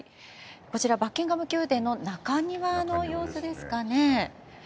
こちら、バッキンガム宮殿の中庭の様子ですかね。